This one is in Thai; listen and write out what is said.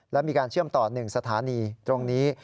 และมีการเชื่อมต่อ๑สถานีตรงนี้